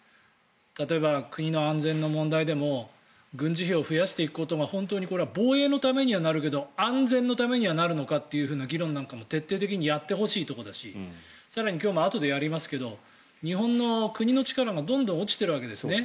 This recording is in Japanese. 例えば、国の安全の問題でも軍事費を増やしていくことが本当にこれは防衛のためにはなるけど安全のためになるのかという議論なんかも徹底的にやってほしいところだし更に、今日もあとでやりますけど日本の国の力がどんどん落ちているわけですね。